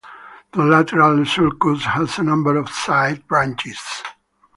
The lateral sulcus has a number of side branches.